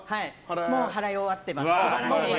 もう払い終わってます。